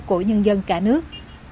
của nhân dân cả nước